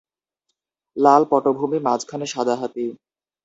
লাল পটভূমি, মাঝখানে সাদা হাতি।